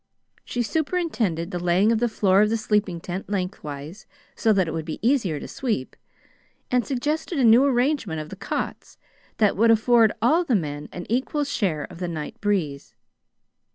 She superintended the laying of the floor of the sleeping tent lengthwise, So that it would be easier to sweep, and suggested a new arrangement of the cots that would afford all the men an equal share of night breeze.